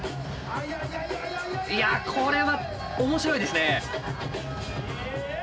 いやこれは面白いですね。